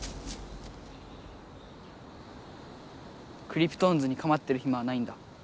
クリプトオンズにかまってるひまはないんだ。